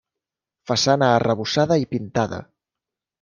Façana arrebossada i pintada.